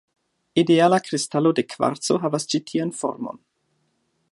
Ideala kristalo de kvarco havas ĉi tian formon.